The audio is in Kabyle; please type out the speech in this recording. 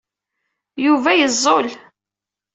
Yuba yeẓẓul.